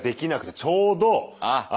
ちょうどあ！